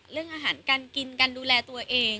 เรื่องอาหารการกินการดูแลตัวเอง